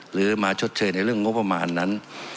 หรือมาชดเชยในเรื่องงบประมาณนั้น